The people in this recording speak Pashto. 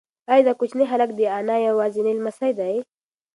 ایا دا کوچنی هلک د انا یوازینی لمسی دی؟